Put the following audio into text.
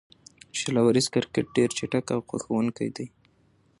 شل اوریز کرکټ ډېر چټک او خوښوونکی دئ.